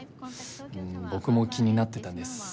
僕も気になってたんです。